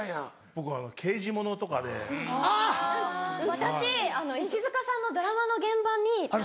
私石塚さんのドラマの現場にたまたま。